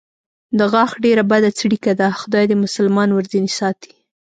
د غاښ ډېره بده څړیکه ده، خدای دې مسلمان ورځنې ساتي.